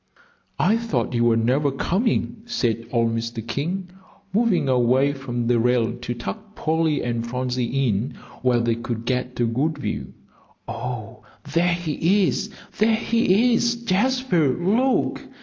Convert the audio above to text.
"I thought you were never coming," said old Mr. King, moving away from the rail to tuck Polly and Phronsie in where they could get a good view. "Oh, there he is there he is Jasper, look!"